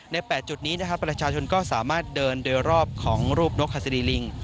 ๘จุดนี้นะครับประชาชนก็สามารถเดินโดยรอบของรูปนกหัสดีลิง